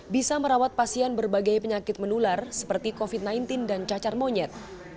bisa merawat pasien berbagai penyakit menular seperti covid sembilan belas dan cacar monyet